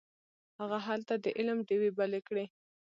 هغه هلته د علم ډیوې بلې کړې.